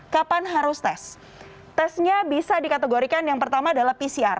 kapan harus tes tesnya bisa dikategorikan yang pertama adalah pcr